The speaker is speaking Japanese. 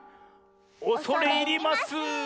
おそれいります。